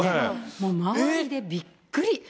もう周りでびっくり。